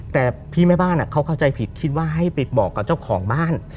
แต่พี่แม่บ้านเขาเข้าใจผิดคิดว่าให้ไปบอกกับเจ้าของบ้าน